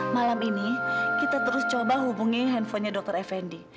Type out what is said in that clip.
malam ini kita terus coba hubungi handphonenya dr effendi